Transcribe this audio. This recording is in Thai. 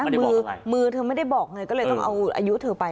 ไม่ได้บอกอะไรมือเธอไม่ได้บอกไงก็เลยต้องเอาอายุเธอไป